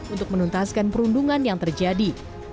untuk menuntaskan perundungan yang terjadi